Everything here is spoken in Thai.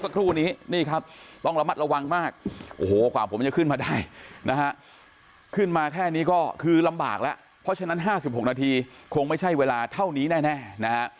ขึ้นมาแค่นี้ก็คือลำบากละเพราะฉะนั้น๕๖นาทีคงไม่ใช่เวลาเท่านี้แน่นะฮะ